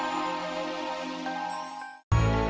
rangkaku amuk marugul